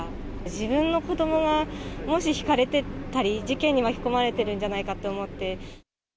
自分の子どもがもしひかれてたり、事件に巻き込まれてるんじゃないかと思って。